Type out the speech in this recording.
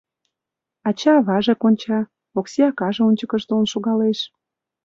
Ача-аваже конча, Окси акаже ончыкыжо толын шогалеш.